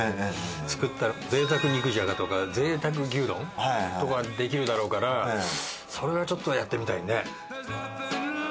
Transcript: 作ったぜいたく肉じゃがとかぜいたく牛丼とかできるだろうからそれはちょっとやってみたいね。